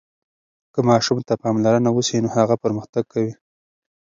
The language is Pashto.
که ماشوم ته پاملرنه وسي نو هغه پرمختګ کوي.